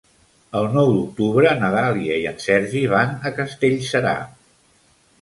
El nou d'octubre na Dàlia i en Sergi van a Castellserà.